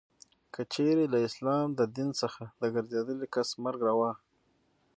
که چیري له اسلام د دین څخه د ګرځېدلې کس مرګ روا.